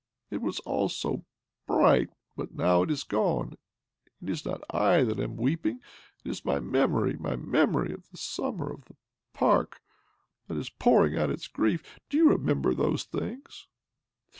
" It was all so bright — but now it is gone ! It is not I that am weeping ; it is my memory r my, mtemory of the summter, of the park — that is pouring out its grief. Do you remember those things?